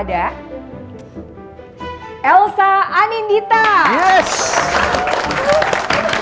mama gak mau bantuin kamu